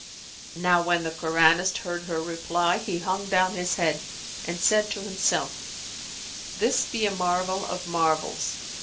'" Now when the Koranist heard her reply, he hung down his head and said to himself, "This be a marvel of marvels!